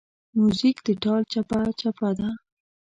موزیک د ټال چپهچپه ده.